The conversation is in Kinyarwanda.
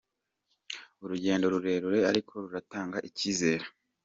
Urugendo rurerure - ariko rutanga icyizere.